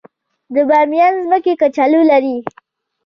د بامیان ځمکې کچالو لري